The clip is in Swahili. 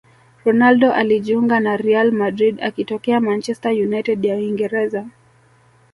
ronaldo alijiunga na real madrid akitokea manchester united ya uingereza